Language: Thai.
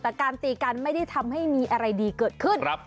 แต่การตีกันไม่ได้ทำให้มีอะไรดีเกิดขึ้น